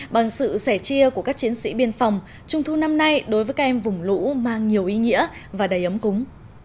bằng sự sẻ chia của các chiến sĩ biên phòng trung thu năm nay đối với các em vùng lũ mang nhiều ý nghĩa và đầy ấm cúng